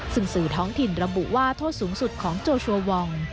ซึ่งสื่อท้องถิ่นระบุว่าโทษสูงสุดของโจชัววอง